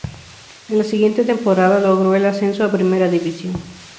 En la siguiente temporada, logró el ascenso a Primera División.